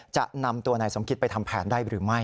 จะนำตัวนายสมคิตไปทำแผนได้หรือไม่